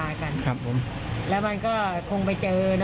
มันเล่นตกปลากันแล้วมันก็คงไปเจอนะ